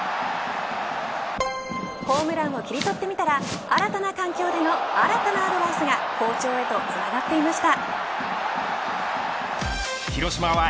ホームランを切り取ってみたら新たな環境での新たなアドバイスが好調へとつながっていました。